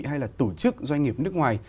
hay là tổ chức doanh nghiệp nước ngoài